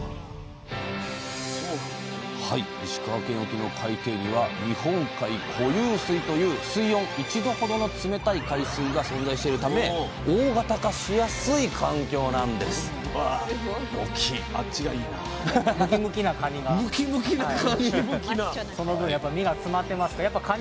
石川県沖の海底には「日本海固有水」という水温１℃ほどの冷たい海水が存在しているため大型化しやすい環境なんですさあうまいッ！のヒミツ